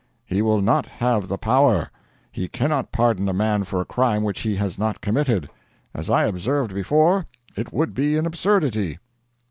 'He will not have the power. He cannot pardon a man for a crime which he has not committed. As I observed before, it would be an absurdity.'